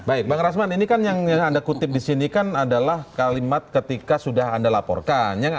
baik bang rasman ini kan yang anda kutip di sini kan adalah kalimat ketika sudah anda laporkan